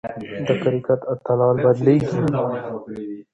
د کرکټ اتلان بدلېږي.